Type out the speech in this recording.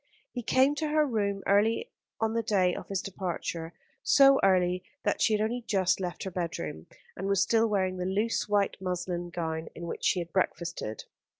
He came to her room early on the day of his departure, so early that she had only just left her bedroom, and was still wearing the loose white muslin gown in which she had breakfasted.